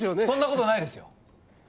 そんな事ないですよ！